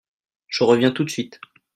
Je reviens tout de suite.